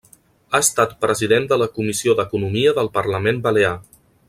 Ha estat president de la comissió d'economia del Parlament Balear.